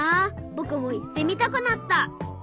ぼくもいってみたくなった。